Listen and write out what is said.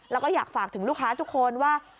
แล้วก็อยากฝากถึงลูกค้าทุกคนว่า